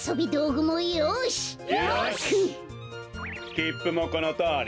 きっぷもこのとおり！